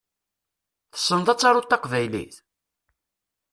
Tessneḍ ad taruḍ taqbaylit?